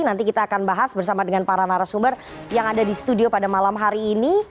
nanti kita akan bahas bersama dengan para narasumber yang ada di studio pada malam hari ini